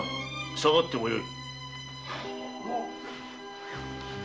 下がってもよい。